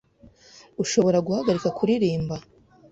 Ushobora guhagarika kuririmba?